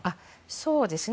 そうですね。